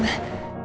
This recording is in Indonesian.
makasih ya mah